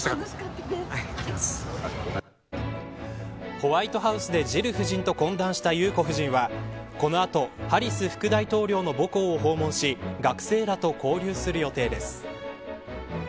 ホワイトハウスでジル夫人と懇談した裕子夫人はこの後ハリス副大統領の母校を訪問し学生らと交流する予定です。